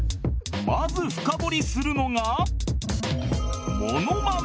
まず深掘りするのが